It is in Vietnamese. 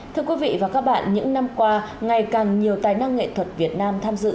thưa quý vị và các bạn những năm qua ngày càng nhiều tài năng nghệ thuật việt nam tham dự